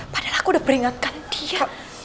padahal aku udah peringatkan dia